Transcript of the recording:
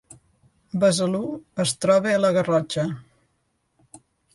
Besalú es troba a la Garrotxa